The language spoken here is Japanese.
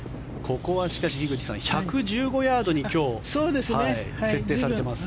ここは、しかし樋口さん１１５ヤードに設定されています。